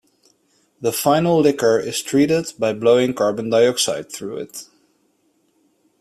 The final liquor is treated by blowing carbon dioxide through it.